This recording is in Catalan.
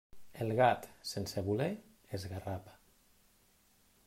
El gat, sense voler, esgarrapa.